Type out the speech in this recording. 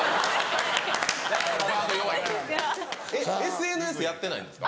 ＳＮＳやってないんですか？